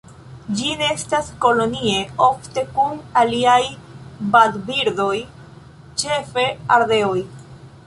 Ĝi nestas kolonie ofte kun aliaj vadbirdoj ĉefe ardeoj.